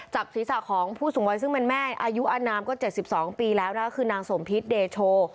จับศิษย์ศาสตร์ของผู้สงวัยซึ่งมันแม่อายุอนามก็๗๐พี่แล้วแล้วก็ค่อนางสมทิศเดโช